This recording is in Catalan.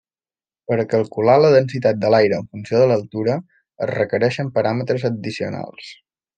Per a calcular la densitat de l'aire en funció de l'altura, es requereixen paràmetres addicionals.